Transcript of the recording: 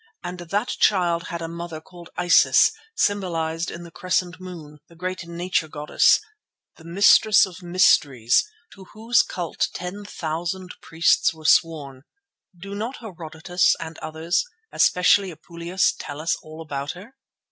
And that child had a mother called Isis symbolised in the crescent moon, the great Nature goddess, the mistress of mysteries to whose cult ten thousand priests were sworn—do not Herodotus and others, especially Apuleius, tell us all about her?